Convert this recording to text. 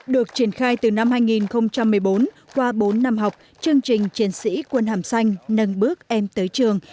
được triển khai từ năm hai nghìn một mươi bốn qua bốn năm học chương trình chiến sĩ quân hàm xanh nâng bước em tới trường